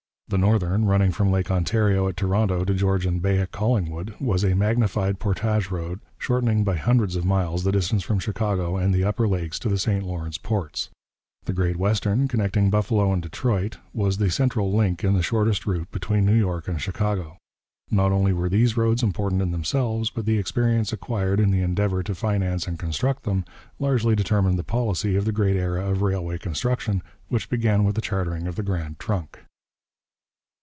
The Northern, running from Lake Ontario at Toronto to Georgian Bay at Collingwood, was a magnified portage road, shortening by hundreds of miles the distance from Chicago and the upper lakes to the St Lawrence ports. The Great Western, connecting Buffalo and Detroit, was the central link in the shortest route between New York and Chicago. Not only were these roads important in themselves, but the experience acquired in the endeavour to finance and construct them largely determined the policy of the great era of railway construction which began with the chartering of the Grand Trunk.